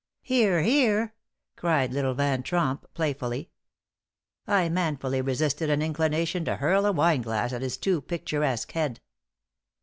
"Hear! hear!" cried little Van Tromp, playfully. I manfully resisted an inclination to hurl a wine glass at his too picturesque head.